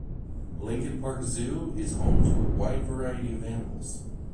Lincoln Park Zoo is home to a wide variety of animals.